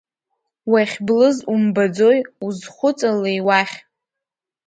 Уахьблыз умбаӡои, узхәыҵалеи уахь?